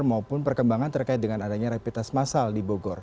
maupun perkembangan terkait dengan adanya rapid test massal di bogor